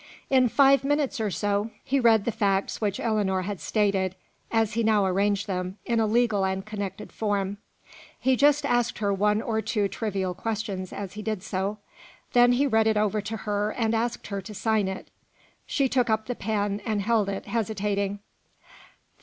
In five minutes or so he read the facts which Ellinor had stated, as he now arranged them, in a legal and connected form. He just asked her one or two trivial questions as he did so. Then he read it over to her, and asked her to sign it. She took up the pen, and held it, hesitating.